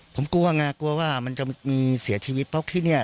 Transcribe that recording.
ผมกลัวไงกลัวว่ามันจะมีเสียชีวิตเพราะที่นี่